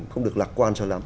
không được lạc quan cho lắm